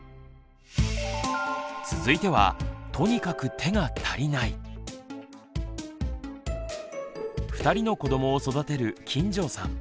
続いては２人の子どもを育てる金城さん。